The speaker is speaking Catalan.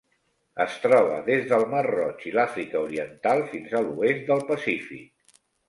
Es troba des del Mar Roig i l'Àfrica Oriental fins a l'oest del Pacífic.